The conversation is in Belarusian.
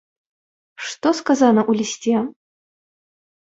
Што сказана ў лісце?